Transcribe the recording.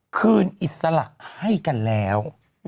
อิสระให้กันแล้ว